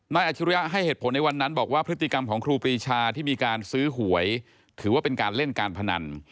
อาชิริยะให้เหตุผลในวันนั้นบอกว่าพฤติกรรมของครูปรีชาที่มีการซื้อหวยถือว่าเป็นการเล่นการพนัน